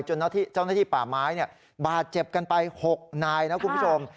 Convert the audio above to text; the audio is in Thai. เจ้าหน้าที่ป่าไม้บาดเจ็บกันไป๖นายนะคุณผู้ชม